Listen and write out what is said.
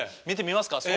見てみますか。